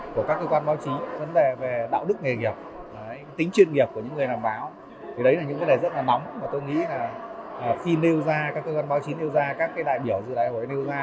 và tôi nghĩ là khi nêu ra các cơ quan báo chí nêu ra các đại biểu dự đại hội nêu ra